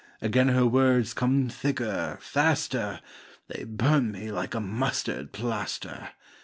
Again her words come thicker, faster, They burn me like a mustard plaster.